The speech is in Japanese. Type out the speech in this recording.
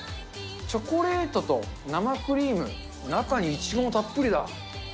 チョコレートと生クリーム、中にイチゴもたっぷりだ。